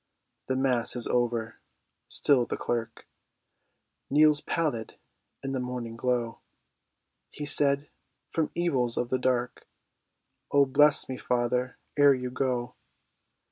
The Mass is over—still the clerk Kneels pallid in the morning glow. He said, "From evils of the dark Oh, bless me, father, ere you go.